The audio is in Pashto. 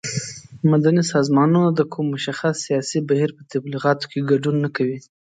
مدني سازمانونه د کوم مشخص سیاسي بهیر په تبلیغاتو کې ګډون نه کوي.